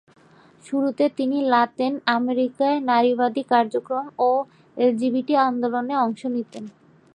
শুরুতে তিনি লাতিন আমেরিকায় নারীবাদী কার্যক্রম ও এলজিবিটি আন্দোলনে অংশ নিতেন।